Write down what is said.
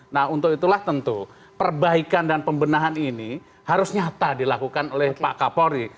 nah untuk itulah tentu perbaikan dan pembenahan ini harus nyata dilakukan oleh pak kapolri